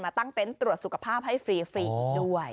มาตั้งเต้นตรวจสุขภาพให้ฟรีด้วย